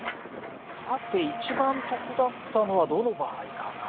さて一番得だったのはどの場合かな？